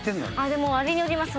でもあれによります